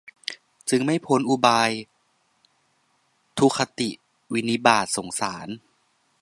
จึงไม่พ้นอุบาย ทุคติ วินิบาต สงสาร